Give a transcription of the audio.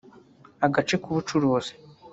agace k’ubucuruzi